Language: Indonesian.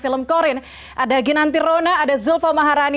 film korin ini mengisahkan